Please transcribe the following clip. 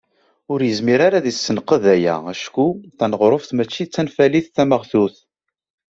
Ur yezmir ara ad isenqed aya acku taneɣruft mačči d tanfalit tameɣtut.